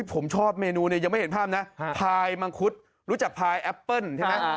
ผมชอบเมนูเนี่ยยังไม่เห็นภาพนะพายมังคุดรู้จักพายแอปเปิ้ลใช่ไหม